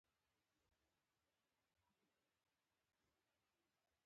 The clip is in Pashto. د شبکیې پرده د سترګې نننۍ او حساسه پرده ده.